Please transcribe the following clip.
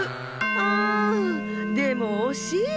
あんでもおしい。